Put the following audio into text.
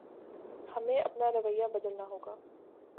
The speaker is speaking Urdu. ہمیں اپنا رویہ بدلنا ہوگا